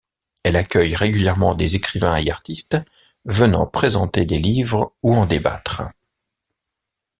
Elle accueille régulièrement des écrivains et artistes venant présenter des livres ou en débattre.